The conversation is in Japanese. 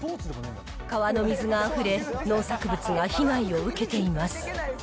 川の水があふれ、農作物が被害を受けています。